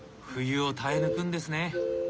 冬を耐え抜くんですね。